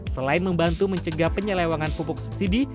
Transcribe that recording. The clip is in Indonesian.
selain membantu mencegah penyelewangan pupuk subsidi